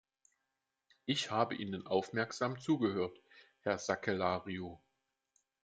Ich habe Ihnen aufmerksam zugehört, Herr Sakellariou.